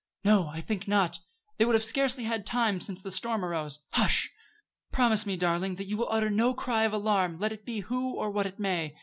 "No; I think not. They would have scarcely had time since the storm arose. Hush! Promise me, darling, that you will utter no cry of alarm, let it be who or what it may.